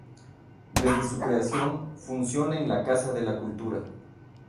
Desde su creación, funciona en la Casa de la Cultura.